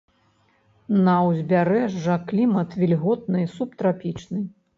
На ўзбярэжжа клімат вільготны субтрапічны.